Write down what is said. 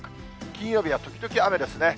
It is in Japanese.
金曜日は時々雨ですね。